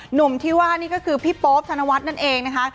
หนุ่มที่ว่านี่ก็คือพี่โป๊ปธนวัฒน์นั่นเองนะคะ